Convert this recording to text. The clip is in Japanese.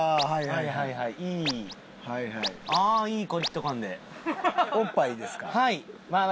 はいはいはいはい。